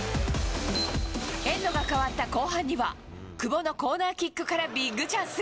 エンドが変わった後半には、久保のコーナーキックからビッグチャンス。